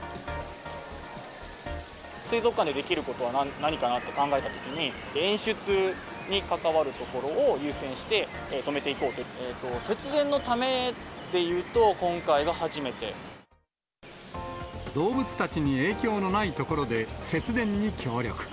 水族館でできることは何かと考えたときに、演出に関わるところを優先して止めていこうということで、節電の動物たちに影響のないところで、節電に協力。